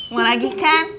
mau lagi kan